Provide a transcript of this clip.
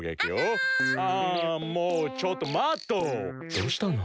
どうしたの？